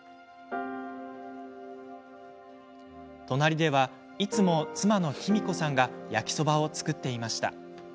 隣ではいつも、妻のきみ子さんが焼きそばを作っていました。